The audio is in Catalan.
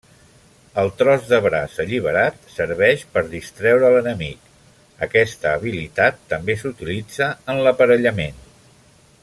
El tros de braç alliberat serveix per distreure l'enemic; aquesta habilitat també s'utilitza en l'aparellament.